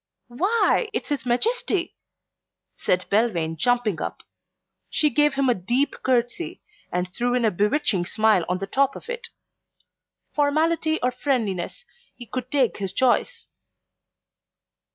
"Why, it's his Majesty," said Belvane, jumping up. She gave him a deep curtsey and threw in a bewitching smile on the top of it; formality or friendliness, he could take his choice.